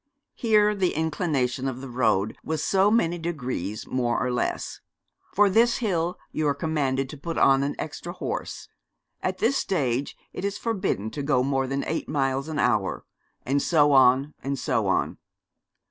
Here the inclination of the road was so many degrees more or less; for this hill you are commanded to put on an extra horse; at this stage it is forbidden to go more than eight miles an hour, and so on, and so on.